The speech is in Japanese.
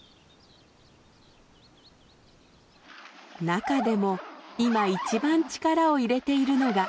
中でも今一番力を入れているのが。